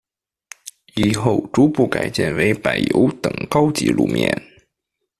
以后逐步改建为柏油等高级路面。